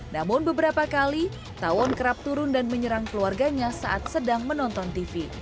namun beberapa kali tawon kerap turun dan menyerang keluarganya saat sedang menonton tv